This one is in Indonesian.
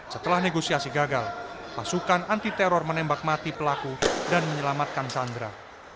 setelah negosiasi gagal pasukan anti teror menembak mati pelaku dan menyelamatkan sandra